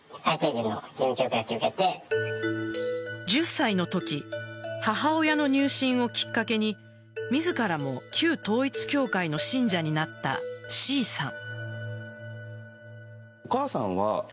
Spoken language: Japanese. １０歳のとき母親の入信をきっかけに自らも旧統一教会の信者になったＣさん。